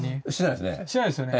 しないですよね？